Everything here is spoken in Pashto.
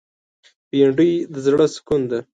بېنډۍ د زړه سکون ده